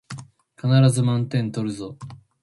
必ず満点取るぞ